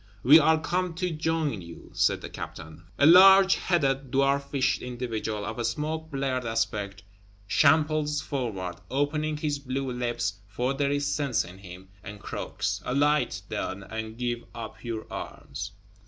"We are come to join you," said the Captain; for the crowd seems shoreless. A large headed dwarfish individual, of smoke bleared aspect, shambles forward, opening his blue lips, for there is sense in him; and croaks, "Alight then, and give up your arms!"